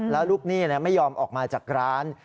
แล้วลูกหนี้ไม่ยอมออกมาจากร้าน